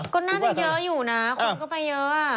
ก็น่าจะเยอะอยู่นะคนก็ไปเยอะ